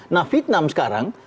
nah vietnam sekarang